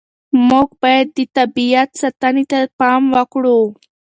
موږ باید د طبیعت ساتنې ته پام وکړو.